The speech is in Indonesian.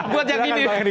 buat yang gini